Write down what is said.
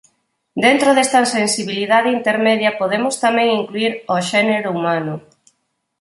Dentro desta sensibilidade intermedia podemos tamén incluír ó xénero humano.